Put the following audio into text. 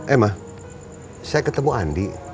emma saya ketemu andi